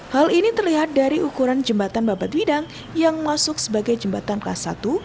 hal ini terlihat dari ukuran jembatan babat widang yang masuk sebagai jembatan kelas satu